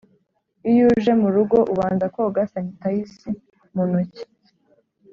Iyo uje murugo ubanza koga sanitayizi mu ntoki